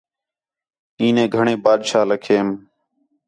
عینے گھݨیں بادشاہ لَکھیم